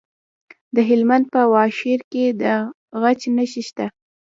د هلمند په واشیر کې د ګچ نښې شته.